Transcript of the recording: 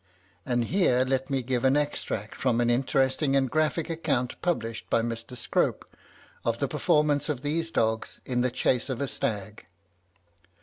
And here let me give an extract from an interesting and graphic account, published by Mr. Scrope, of the performance of these dogs in the chase of a stag.